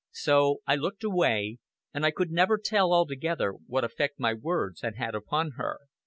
So I looked away, and I could never tell altogether what effect my words had had upon her.